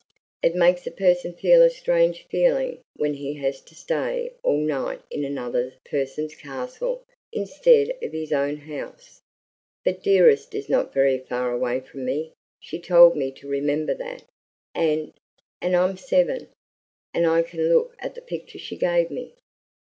"It makes a person feel a strange feeling when he has to stay all night in another person's castle instead of in his own house. But Dearest is not very far away from me. She told me to remember that and and I'm seven and I can look at the picture she gave me."